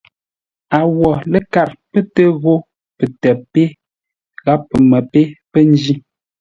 A wo ləkâr pə́ tə ghó pətə́ pé gháp pəmə́ pé pə́ njí.